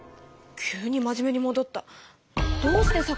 急に真面目にもどった。